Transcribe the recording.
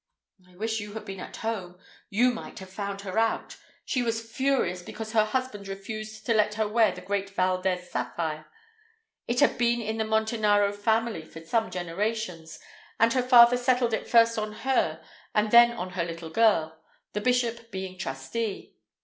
"I wish you had been at home. You might have found her out. She was furious because her husband refused to let her wear the great Valdez sapphire. It had been in the Montanaro family for some generations, and her father settled it first on her and then on her little girl—the bishop being trustee.